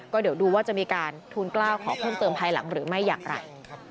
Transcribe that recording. ก็เดี๋ยวดูว่าจะมีการทูลกล้าวขอเพิ่มเติมภายหลังหรือไม่อย่างไร